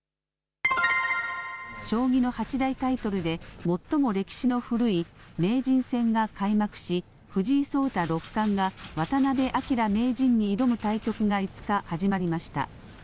将棋の八大タイトルで最も歴史の古い名人戦が開幕し藤井聡太六冠が渡辺明名人に挑む対局が５日、始まりました。